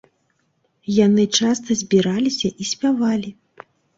Яны часта збіраліся і спявалі.